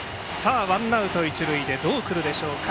ワンアウト、一塁でどう来るでしょうか？